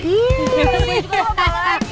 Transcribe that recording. iya gue juga mau balik lagi